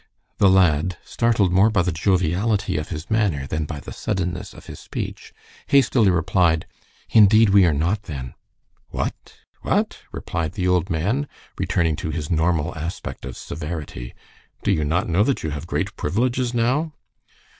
The lad, startled more by the joviality of his manner than by the suddenness of his speech, hastily replied, "Indeed, we are not, then." "What! what!" replied the old man, returning to his normal aspect of severity. "Do you not know that you have great privileges now?"